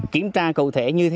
kiểm tra cầu thể như thế